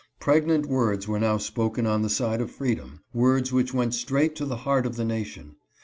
Pregnant words were now spoken on the side of freedom, words which went straight to the heart of the nation.